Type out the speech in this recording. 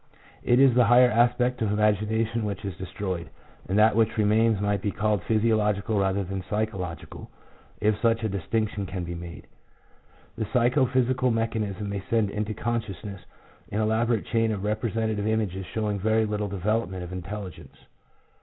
It is the higher aspect of imagination which is destroyed, and that which remains might be called physiological rather than psychological, if such a distinction can be made. The psycho physical mechanism may send into consciousness an elaborate chain of representative images, showing very little development of intelligence.